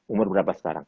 umur berapa sekarang